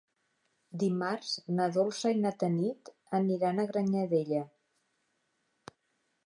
Dimarts na Dolça i na Tanit aniran a Granyanella.